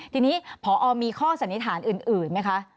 ทีนี้พอมีข้อสันนิษฐานอื่นไหมคะ